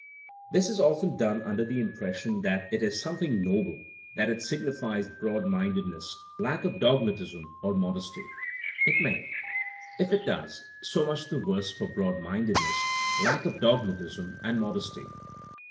This is often done under the impression that it is something noble, that it signifies broad mindedness, lack of dogmatism, and modesty. It may. If it does, so much the worse for broadmindedness, lack of dogmatism, and mod esty.